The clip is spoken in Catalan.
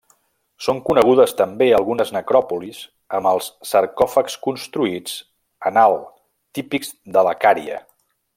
Són conegudes també algunes necròpolis amb els sarcòfags construïts en alt, típics de la Cària.